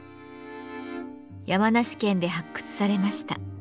山梨県で発掘されました。